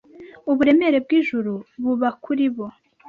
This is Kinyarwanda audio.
Uburemere bw'ijuru buba kuri bo